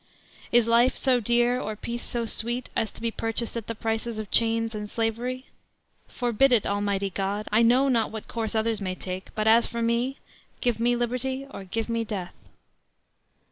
~.~.~. Is life so dear, or peace so sweet, as to be purchased at the price of chains and slavery! Forbid it, Almighty God! I know not what course others may take, but as for me, give me liberty, or give me death!"